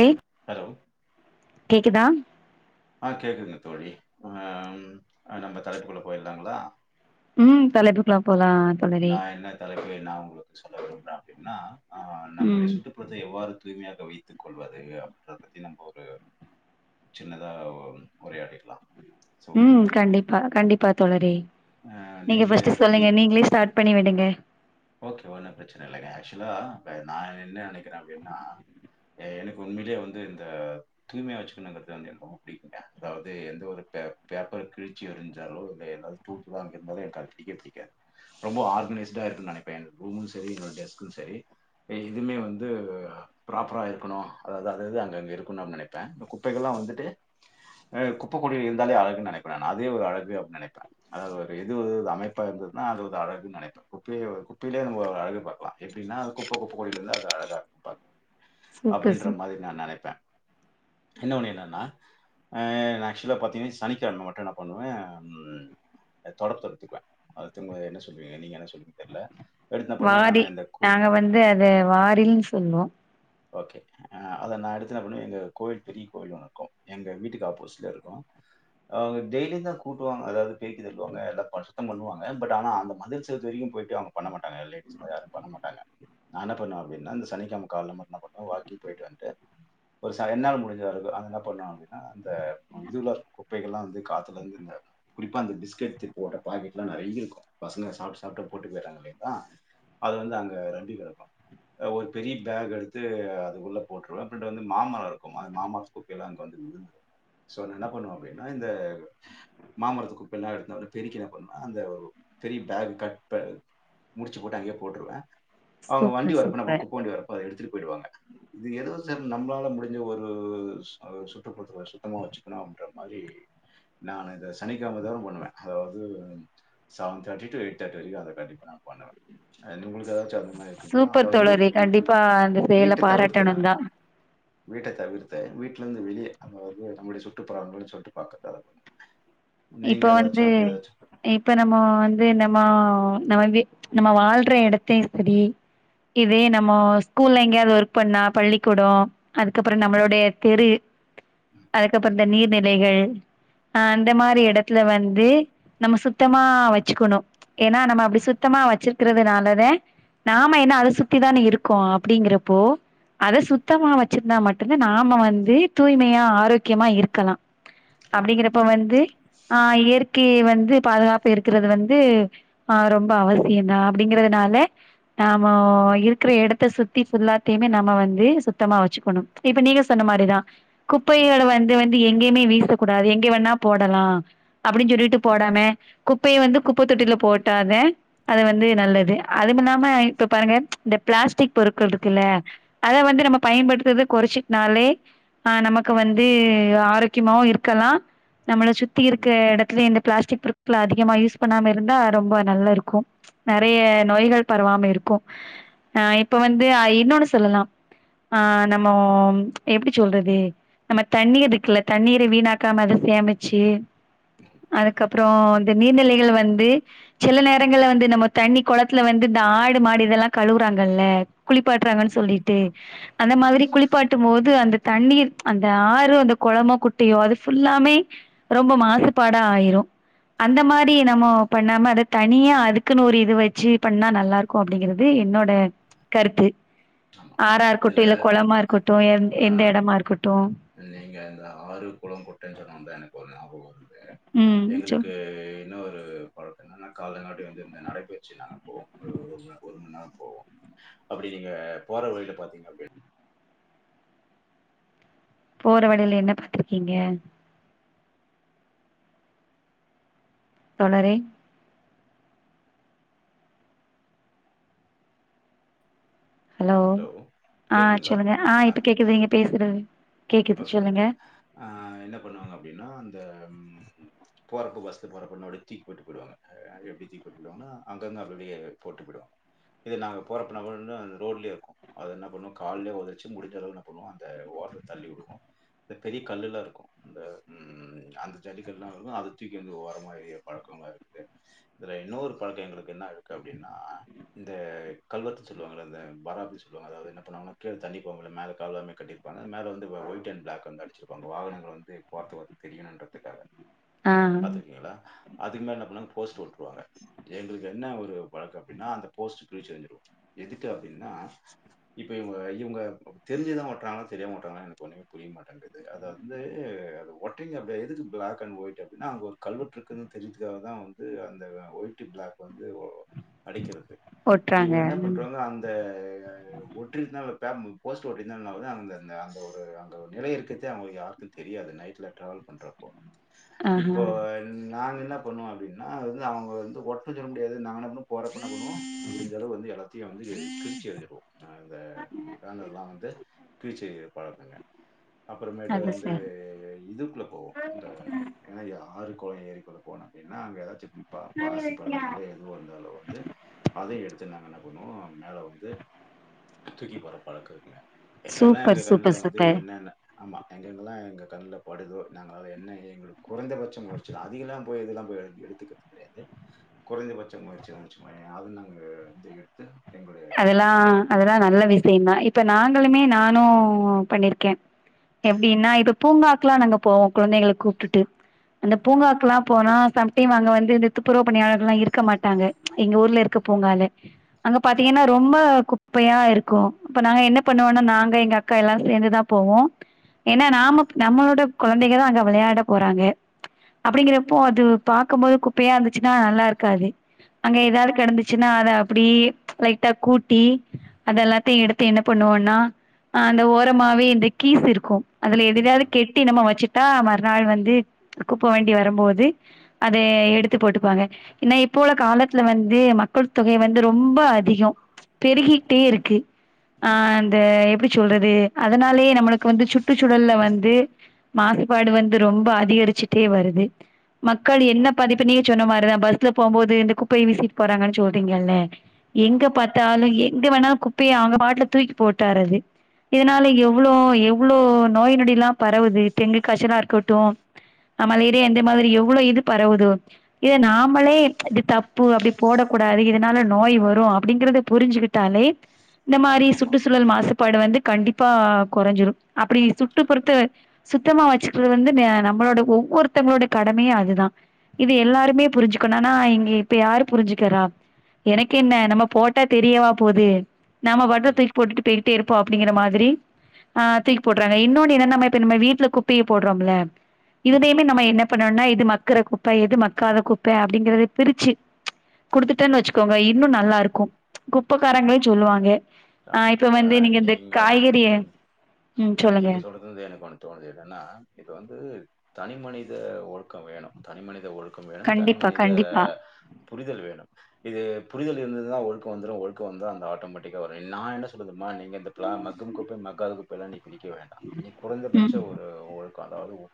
ஏ hello கேக்குதா ஆ‌ கேக்குங்க தோழி உம் ஆ நம் தலைப்புக்குள்ள போய்ல் இருக்காங்ளா உம் தாலே [unintelligible] நா என்ன தலைப்ப நா உங்களுக்கு சொல்ல விரும்பறே அப்டின்னா ஆஹ் நம்முடைய ம் சுற்றுப்புறத்த எவ்வாறு தூய்மையா வைத்துக் கொள்வது அப்டின்றத பத்தி நம்ம ஒரு சின்னதா உரையாடிடலாம் உம் கண்டிப்பா கண்டிப்பா தோழரே ஆ, நீங்க ஃபர்ஸ்ட் இதை பத்தி சொல்லுங்க நீங்களே ஸ்டார்ட் பண்ணி விடுங்க ஓகே ஒன்னு பிரச்சன இல்லைங்க ஆக்சுவலா நா என்ன நெனைக் றே அப்டின்னா எனக்கு உண்மையிலேயே வந்து இந்த தூய்மையா வெச்சுக்கணுங்கறது வந்து எனக்கு ரொம்ப புடிக்குங்க அதாவது எந்த ஒரு பேப் பேப்பர் கிழிச்சி எறிஞ்சாலோ இல்ல எதாவது தூள்தூளா அங்க இருந்தாலோ எனக்கு பிடிக்கவே பிடிக்காது ரொம்ப ஆர்கனைஸ்டா இருக்கனு நெனைப்பே என் ரூமு செரி என்னோட டெஸ்கும் செரி எதுவுமே வந்து ப்ராப்பரா இருக்கணு அதாவது அது அது அங்கங்க இருக்கணு அப்டின் நெனைப்பே இந்த குப்பைகள்லா வந்துட்டு குப்பை கூடையில இருந்தாலே அழகுன்னு நெனைப்பே நானு அதே ஒரு அழகு அப்டின்னு நெனைப்பே அதாவது ஒரு எது ஒரு அமைப்பா இருந்ததுன்னா அது அழகுன்னு நெனைப்பே குப்பையை குப்பையிலே நம்ம அழகு பாக்கலா எப்டினா அது குப்ப குப்ப கூடையிலந்தா அது அழகா இருக்கும் பாக்க சூப்பர் அப்டின்ற சூ மாரி நா நெனைப்பே இன்னோ ஒன்னு என்னன்னா அ நா ஆக்சுவலா பாத்தீங்கன்னா சனிக்கிழம மட்டோ என்ன பண்ணுவே உம் தொடப்பத்த எடுத்துக்குவே அது எத்துன் போய் சொ சொல்லுவிங்க நீங்க என்ன சொல்லுவிங்க தெரில வாடி நாங்க வந்து அத வாரில்னு சொல்லுவோ ஓகே ஆ அத நா எடுத்து என்ன பண்ணுவே எங்க கோவில் பெரிய கோயில் ஒன்னு இருக்கு எங்க வீட்டுக்கு ஆப்போசிட்ல இருக்கு அவுங்க டெய்லியு தா கூட்டுவாங்க அதாவது பெருக்கு தல்லுவாங்க எல்ல பா சுத்தம் பண்ணுவாங்க பட் ஆனா அந்த மதில் சுவத்து வரைக்கு போயிட்டு அவுங்க பண்ண மாட் டாங்க லேடிஸ்லா யாரு பண்ண மாட்டாங்க நா என்ன பண்ணுவே அப்டின்னா இந்த சனிக்கெழம கால்ல மட் என்ன பண்ணுவோ வாக்கிங் போயிட்டு வன்ட்டு ஒரு சாய என்னாள முடிஞ்ச அளவுக்கு நாங்க என்ன பண்ணுவோ அப்டினா அந்த இதுலா இருக்கு குப்பைகள்ல்லா வந்து காத்துல இருந்து இந்த குறிப்பா அந்த பிஸ்கெட்டு சிப் ஓட பாக்கெட்லா நெறைய இருக்கு பசங்க சாப்டு சாப்டு போட்டு போயிராங்க இல்லீங்களா அது வந்து அங்க ரெம்பி கெடக்கு ஒரு பெரிய பேக் எடுத் அது அது உள்ள போட்ருவே அப்டின்டு வந்து மாமரோ இருக்கு அந்த மாமரத்து குப்பையெல்லா அங்க வந்து விழுந்து சோ நா என்ன பண்ணுவே அப்டினா இந்த மாமரத்து குப்பை எல்லா எடுத்துனு வந்து பெருக்கி என்ன பண்ணுவே அந்த பெரிய பேக் கட் பண் முடிச்சு போட்டு அங்கேயே போட்ருவே அவுங்க வண்டி சூப்பர் வரப்ப நம்ம சூப்பர் குப்ப வண்டி வரப்ப அத எடுத்துடு போய்டுவாங்க இது எதோ சேரி நம்மளால முடிஞ்ச ஒரு சு சுற்றுப்புறத்துல சுத்தமா வச்சுக்கணு அப்ட மாரி நானு இத சனிக்கிழம தோறு பண்ணுவே அதாவது seven thirty to eight thirty வரைக்கு அத கண்டிப்ப நா பண்ணுவே [unintelligible] உங்களுக்கு ஏதாச்சு அந்த மாரி இருக்குங்களா சூப்பர் அதாவது தோழரே உ உ கண்டிப்பா அந்த செயல வீட்ட தவிர்த்து நா பாராட்டணுந்தா வீட்ட தவிர்த்தே வீட் ட்லருந்து வெளிய அங்க வந்து நம்மளுடைய சுற்றுப்புறமுனு சொல்ட்டு பாக்க தா இப்ப வந்து இப்ப நமோ வந்து நமோ நா வந்து நம்ம வாழ்ற எடத்தயு செரி இதே நமோ ஸ் ஸ்கூல்ல எங்கேயாது ஒர்க் பண்ணா பள்ளிக்கூடோ அதுக்கப்றோ ம், நம்மளுடைய தெரி அதுக்கப்பற் இந்த நீர்நிலைகள் அ அந்த மாரி எ எடத்துல வந்து நம்ம சுத்தமா வச்சுக்குணு ஏனா நம்ம அப்டி ம், சுத்தமா வச்சிருக் இருக்கிறதுனாலதே நாம என்ன அத சுத்திதான இருக்கோ அப்டிங்கிறப்போ அத ம். சுத்தமா வச் ச்சிருந்தா மட்டுதா நாம வந்து தூய்மையா ஆரோக்கியமா இருக்கலா கண்டிப்பா. அப்டிங்கிறப்ப வந்து இயற்கையை வந்து பாதுகாப்பு இருக்கிறது வந்து ஆ ரொம்ப அவசியந்தா அப்டிங்கிறதுனால நாமோ இருக்கிற எடத்த சுத்தி ஃபுல்லாத்தையிமே நாம வந்து சுத்தமா வெச்சுக்கணு இப்ப நீங்க சொன்ன மாரிதா ம், குப்பையோட வந்து வந் து எங்கேமே வீசக்க கூடாது எங்கே வேண்ணா போடலா அப்டின் சொல்லிட்டு போடாம குப்பைய வந்து குப்ப தொட்டில போட்டாதே அது வந்து நல்லது அதுமில்லாம இப்ப பாருங்க இந்த பிளாஸ்டிக் பொருட்கள் இருக்குல்ல அத வந்து நம்ம பயன்படுத்றத கொறச்சிக்னாலே ஆ நமக்கு வந்து ஆரோக்கியமாவு இருக்கலா நம்மள சுத்தி இருக் ம். தே எடத்லியு இந்த பிளாஸ்டிக் பொருட்கள அதிகமா யூஸ் பண்ணாம இருந்தா ரொம்ப நல்ல இருக்கு நெறைய ஆமா, நோய்கள் பரவாம இருக் கோ ஆ இப்ப வந்து ஆ இன்னொன்னு சொல்லலா ஆ நம்மோம் எப்டி சொல்றது நம்ம தண்ணீ இருக்குல்ல தண்ணீரை வீணாக்காம அத சேமிச்சு அதுக்கப்றோ இந்த நீர்நிலைகள்ல வந்து சில நேரங்கள்ல வந்து நம்ம தண்ணி கொளத்துல வந்து இந்த ஆடு மாடு இதெல்லா கழுவுறாங்கல்ல குளிப்பாட்டுறாங்கன்னு ஆமா, சொல்லிட்டு அந்த ம், மாரி குளிப்பாட்டும் போது அந்த தண்ணீர் அந்த ஆறு அந்த குளமோ குட்டியோ அது ஃபுல்லாமே ரொம்ப மாசு பட ஆயிரோ அந்த ஆமா, மாரி நம்மோ பண்ணாம அத தனியா அதுக்குன்னு ஒரு இது வெச்சு பண்ணா நல்லா இருக்கும் அப்டிங்கறது என்னோட கருத்து ஆமா ஆறா இதுல இருக்கட்டு இல்ல குளமா இருக்கட்டு எ எந்த அஹ் இடமா இருக்கட்டு நீங்க இந்த ஆறு கொள குட்டேன்னு சொன்னோவு தா எனக்கு ஒரு ஞா பகோ ம் சொ எங்களுக்கு இன்ன ஒரு ரு பழக்க என்னனா காலைலங்காட்டி வந்து இந்த நடைபயிற்சி நாங்க போவோ உம் ஒரு மண் நேர போவோ அப்டி நீங்க போற வழில பாத்தீங்க அப்டின் போற வழில என்ன பாத்திருக்கீங்க தோழரே ஹலோ ஆஹ் கேக்குதுங்களா சொல்லுங்க ஆஹ் ஆ இப்ப கேக்குது நீங்க பேசுறது கேக்குது ஓகே சொல்லுங்க ஓகே ஆஹ் என்ன பண்ணுவாங்க அப்டினா இந்த ம் போறப்ப பஸ்ல போறப்ப என்ன அப்டியே தூக்கி போட்டு போயிடுவாங்க எப்டி தூக்கி போட்டு போய்டுவாங்கா அங்கங்க அப்டி அப்டியே போட்டு போய்டுவாங்க இது நாங்க போறப்ப நாங்க போய் நின்ன அந்த ரோட்லே இருக்கு அத என்ன பண்ணுவோ கால்லே ஒதச்சு முடிஞ்சளவு என்ன பண்ணுவோ அந்த ஓர தள்ளிவுடுவோ இந்த பெரிய கல்லுலா இருக்கு இந்த உம் அந்த ஜல்லிக்கல்லா இருக்கு அத தூக்கி வந்து ஓரமா ஏரிய்ற பழக்கலா இருக்குது இதுல இன்னோரு பழக்க எங்களுக்கு என்ன இருக்கு அப்டின்னா இந்த கல்வத்த சொல்லுவாங்கள இந்த பராபி சொல்லுவாங்க அதாவ்து என்ன பண்ணுவாங்கனா கீழ தண்ணி போகுல மேல கால்வா மாரி கட்டிருப்பாங்க மேல வந் து ஓயிட் அன் பிளாக் வந்து அடிச்சிருப்பாங்க வாகனங்கள் வந்து பார்த்தவோ தெரியணுன்றத்துக்காக ஆ பாத்ருக்கீங்களா அதுக்கு மேல என்ன பண்ணுவாங்க போஸ்ட்ரு ஓட்ருவாங்க எங்களுக்கு என்ன ஒரு பழக்க அப்டினா அந்த போஸ்ட்ரு கிழிச்சேரிஞ்சிருவோ எதுக்கு அப்டின்னா இப்போ இவ்ங்க இவ்ங்க தெரிஞ்சுதா ஒட்றாங்களா தெரியாம ஒட்றாங்களா எனக்கு ஒன்னுமே புரிய மாட்டேங்குது அத வந்து அது ஒட்டைங்க அப்டியா எதுக்கு பிளாக் அன் ஒயிட் அப்டினா அங்க ஒரு கல்வெட்டுருக்குனு தெரிஞ்சுக்காக தா வந்து அந்த ஒயிட்டு பிளாக் வந்து ஓ அடிக்கிறது ஒட்றாங்க இவ்ங்க என்ன பண்றுவாங்க அந்த ஒற்றிட்தா இப்ப யாரு நம்மளுக்கு போஸ்ட்ரு ஒட்டிருந்தா என்னாவ்றது அந்த அந்த ஒரு அங்க ஒரு நிலை இருக்கதே அவ்ங்களுக்கு யாருக்கு தெரியாது நைட்ல ட்ராவல் பண்றப்போ ஆஹா இப்போ நாங்க என்ன பண்ணுவோ அப்டினா அது வந்து அவாங்கள வந்து ஒட்ட சொல்ல முடியாது நாங்க என்ன பண்ணுவோ போறப்ப என்ன பண்ணுவோ அப்டி இந்த அளவு வந்து எல்லாத்தையு வந்து கிழிச்செரிஞ்சிருவோ அஹ் அந்த பேனர்லா வந்து கிழிச்சு பழக்கங்க அப்பறமேட்டு அது வந்து சார் இதுக்குல போவோ இந்த இணையா ஆறு கொள ஏரிக்குல போன அப்டின்னா அங்க எதாச்சு ம் பா பாசி படர்ந்தாலோ எதுவு இருந்தாலோ வந்து அதையு எடுத்துன் நாங்க என்ன பண்ணுவோ மேல வந்து தூக்கி போற பழக்க இருக்குங்க சூப்பர் சூப் ள வந்து என்னென்ன ஆமா எங்க எங்கெல்லா எங்க கண்ணுல படுதோ நாங்க அத என்ன ஏங்க குறைந்தபட்ச முயற்சிதா அதிகலாம் போய் இதுலா போய் எடு எடுத்துக்க முடியாது குறைந்தபட்ச முயற்சிதாங்க சும்மா எதாயாவ்து நாங்க அத எடுத்து எங்க அதெல்லா அதெல்லா நல்ல விஷயந்தா இப்ப நாங்களுமே நானு பண்ணிருக்கே எப்டின்னா இப்ப பூங்காக்குலா நாங்க போவோ கொழந்தைங்கள கூப்ட்டுட்டு அந்த ஆமா. பூங்காக்குலா போனா சம் டைம் அங்க வந்து இந்த துப்புறவு பணியாளர்கள்லா இருக்க மாட்டாங்க எங்க ஊர்ல இருக்க ம், பூங்கால அங்க பாத் ம், ரொம்ப குப்பையா இருக்கும் அப்ப நாங்க என்ன ம், பண்ணுவோம்ன்னா நாங்க எங்க அக் அக்கா எல்லாம் சேர்ந்துதான் போவோம் ஏன்னா ம், நாம நம்மளோட குழந்தைங்க தான் அங்க விளையாட போறாங்க அப்படிங்கிறப்போ அது பார்க்கும் போது குப்பையா இருந்துச்சுன்னா நல்லா இருக்காது அங்க ம், ம், ஏதாதது கிடந்துச்சு என்ன அத அப்படி லைட்டா கூட்டி ம், அதெல்லாத்தையும் எடுத்து என்ன பண்ணூவோண்ணா ஆஹ் அந்த ம். ஓரமாவே இந்த கீஸ் இருக்கும் அதுல எதுலயவது ஆமா. கட்டி நம்ம வெச்சு மறுநாள் வந்து குப்ப வேண்டி ம், வரும்போது அத ம். எடுத்து போட்டுப்பாங்க ஏன்னா இப்போ உள்ள காலத்துல வந்து மக்கள் தொகை வந்து ரொம்ப அதிகம் ஆமா. பெருகிட்டே இருக்கு ம். ஆஹ் அந்த எப்படி சொல்றது அதனாலயே நம்மளுக்கு வந்து சுற்றுச்சூழல்ல வந்து மாசுபாடு வந்து ரொம்ப அதிகரிச்சுட்டே வருது மக்கள் என்ன ஆம். பதிப்பு நீங்க சொன்ன மாரிதான் பஸ்ல போகும்போது இந்த குப்பையை வீசிட்டு போறாங்கன்னு சொல்றீங்கல்ல எங்க ஆமா, ஆமா. பாத்தாலும் எங்க வேணா குப் குப்பய அவங்க பாட்டுல தூக்கி போட்டாரது இதனால ஆமாமா. எவ்ளோ எவ் எவ்வளோ நோய் நொடில்லாம் பரவுது டெங்கு காய்ச்சல்லா இருக்கட்டும் மலேரியா இந்த மாதிரி எவ்வளவு இது பரவுது இது ஆமா. நாமளே இது தப்பு பூ அப்படி போடக்கூடாது இதனால நோய் வரும் அப்படிங்கறத புரிஞ்சுகிட்டாலே இந்த மாதிரி ஆமாமா. சுற்றுச்சூழல் மாசுபாடு வந்து கண்டிப்பா கொறைஞ்சிடும் அப்படி சுட்டுப்புறத்த சுத்தமா வெச்சுக்கிறது வந்து நம்மளோட ஒவ்வொருத்தவங்களோட கடமையே அதுதான். இது ஆமா. ஆமா எல்லாருமே ஆமா புரிஞ்சுக்கனா ஆனா இங்க இப்ப யாரு புரிஞ்சுக்கறா என்ன நம்ம போட் தெரியவா போது. நாம வட்டர ம், தூக்கி போட்டு போய் இருப்போம் அப்படிங்ற மாதிரி ஆ ம், தூக்கிப்போட்ருவாங்க இன்னொன்னு என்ன நம்ம இப்ப நம்ம வீட்டுல குப்பைய போட்றோம்ல ம், இதுலையுமே நம்ம என்னப் பண்ணோன்ன இது மக்குற குப்ப எது மக்காத குப்ப அப்படிங்கறத பிரிச்சி ம், குடுத்துட்டேன்னு வச்சுக்கோ வை இன்னு நல்லா இருக்கு குப்பக்காரங்களே சொல்லுவாங்க ஆ இப்ப ஆமாங்கக்கா வந்து இந்த நீங்க காய்கறிய ம் இப்ப சொல்லுங்க. நீங்க சொல்றதலருந்து எனக்கு ஒன்னு தோணுது என்னனா இப்ப வந்து தனி மனித ஒழுக்க வேணு தனி மனித ஒழுக் க்கம் வேணு தனி கண்டிப்பா மனித கண்டிப்பா. புரிதல் வேணு இது புரிதல் இருந்து ஒழுக்க வந்துரும் ஒழுக்க வந்தா அந்த ஆட்டோமெட்க் க வரு நா என்ன சொல்லது தெரியுமா நீங்க இந்த [unintelligible] மக்கும் குப்பை மக்காத குப்பைலா நீக் பிரிக்க வேண்டா இனி குறைந்தபட்ச ம் ஒரு ஒழு அதாவது உ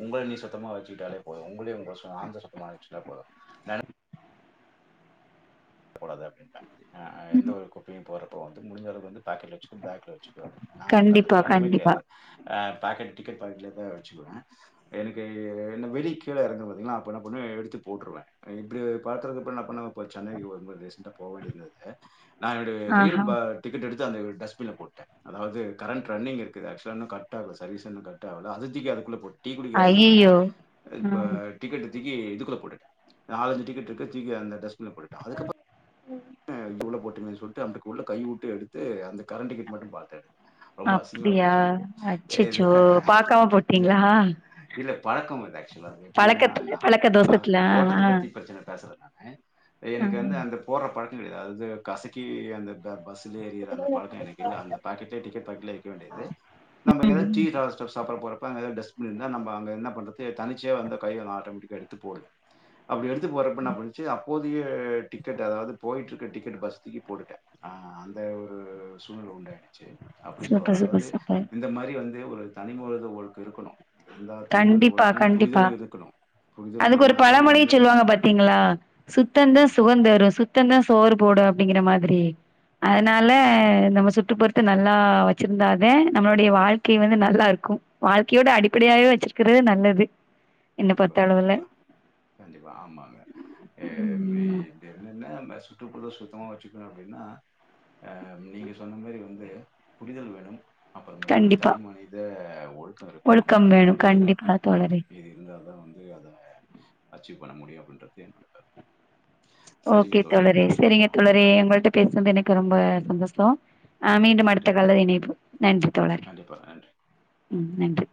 உங்களை நீ சுத்தமா வச்சிட்டாலே போது உங்களையு உங்கள சார்ந்து சுத்தமா வச்சிட்டா போது நா கூடாது அப்டிம்ப ஆ ஆ எந்த ம். ஒரு குப்பையு போற இப்போ வந்து முடிஞ்சளவுக்கு வந்து பாக்கெட்ல வச்சுட்டு பேக்ல வச்சுட் [unintelligible] நமக்கு அந்த கண்டிப்பா பழக்கமே கண்டிப்பா. கெடையாது ஆ பாக்கெட் டிக்கெட் பாக்கெட்லயே தா வச்சிக்குவேன் எனக்கு என்ன வெளி கீழே எறங்குவ பார்த்தீங்களா அப்போ என்ன பண்ண எடுத்து போட்டுருவே இப்டி பாத்துறப்ப என்ன பண்ணுவே இப்போ சென்னைக்கு ரொம்ப டீசென்ட்டா போவேண்டியதிருந்துது நா என்னுடைய ரயில் ஆஹா. டிக்கெட் எடுத் அந்த ஒரு டஸ்ட்பின்ல போட்டே அதாவது கரண்ட் ரன்னிங் இருக்கு ஆக்சுவலா இன்னு கட் ஆவல சர்வீஸே இன்னு கட் ஆகல அத தூக்கி அதுக்குள்ள போட்டுட்டே டீ குடிக்க எறங்குனவ ஐயையோ! ஆ ப டிக்கெட் எடுத் தூக்கி இதுக்குள்ள போட்டுட்டே நாலஞ்சு டிக்கட்ருக்கு தூக்கி அந்த டஸ்ட்பின்ல போட்டுட்டே அதுக்கப்ப [unintelligible] சொல்ட்டு அங்குட்டுக்குள்ள கைவுட்டு எடுத்து அந்த கரண்ட் டிக்கெட் மட்டு பாத்து எடுத்தே ரொம்ப அசிங்கமா அப்டியா? போச்சு எனக்கு இது அச்சச்சோ! பாக்காம இது போட்டீங்களா? இல்ல பழக்க அது ஆக்ஷுவலா எப்டின்னா பழக்கத்துல நா பழக்க தோசத்துல போட்டத்த ஆ ஆ. பத்தி பெரச்சன பேசல நானு ஆ எனக்கு வந்து அந்த போட்ற பழக்க கெடையாது அது காசக்கி அந்த பே பஸ் [unintelligible] எறியிற அந்த பழக்க எனக்கு இல்ல அந்த பாக்கெட்லியே டிக்கெட் பாக்கெட்லியே வைக்க வேண்டியது நம்ம எங்கையாது ம் டீ [unintelligible] சாப்டப் போற இப்ப எங்கயாது டஸ்ட்பின் இருந்தா நம்ம அங்க என்ன பண்றது தனிச்சியா வந்து கை ஆட்டோமேட்டிக்கா எடுத்துப்போடுது அப்டி எடுத்து போட்றப்ப என்னா பண்ணுச்சி போதிய டிக்கெட் அதாவது போயிட்டுருக்க டிக்கெட் பஸ்த்துக்கு போட்டேன் அந்த ஒரு சூழ்நில உண்டு சேரி அப்டி சூப்பர் சொல்லுவாரு சூப்பர் அதாவது சூப்பர் இந்த மாரி வந்து ஒரு தனிமொழுது உங்களுக்கு இருக்கணும் இருந்தா தனிமனித கண்டிப்பா ஒழுக்கமும், கண்டிப்பா புரிதலும் இருக்கணும். புரிதலும் அதுக்கு ஒரு இருந்தா தான் பழமொழி வந்து சொல்லுவாங்க பாத்தீங்களா சுத்தம் தான் ம். சுகந்தரும் சுத்த சுத்தம்தா சோறு போடும் அப்படிங்கிற மாதிரி அதனால ஆமாங்க. நம்ம சு பொறுத்து நல்லா வச்சிருந்தாத நம்மளுடைய வாழ்க்கை வந்து நல்லா இருக்கும் வாழ்க்கை [unintelligible] அடிப்படைய இருக்கிறது நல்லது என்ன கண்டிப்பா பொறுத்தளவுல கண்டிப்பா கண்டிப்பா ஆமாங்கஹ ம் [unintelligible] சுற்றுப்புறத்த சுத்தமா வச்சுக்கணும் அப்டின்னா அஹ் நீங்க சொன்ன மாதிரி வந்து புரிதல் வேணும் அப்புறம் மட்டும் வந்து கண்டிப்பா தனி மனித ஆ ஒல் ஒழுக்கம் வேணும் கண்டிப்பா தோழரே அத அத வந்து அத அச்சீவ் பண்ண முடியும் அப்படின்றது என்னோட கருத்து சரிங்க ஓகே தோழி தோழரே சரிங்க ஆ தோழரே கட் உங்கள்கிட்ட பேசனது எனக்கு ரொம்ப சந்தோசம் ஆஹ் மீண்டும் அடுத்த நன்றிங்க கால இனைப்ப நன்றி தோழரே கண்டிப்பா நன்றி உம் நன்றி